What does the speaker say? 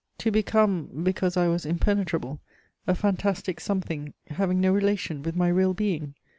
To become, because I was impenetrable, a fantastic something, having no relation with my real being?